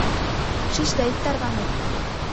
— Шич да ит тарваныл.